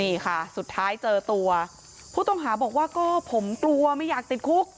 นี่ค่ะสุดท้ายเจอตัวผู้ต้องหาบอกว่าก็ผมกลัวไม่อยากติดคุก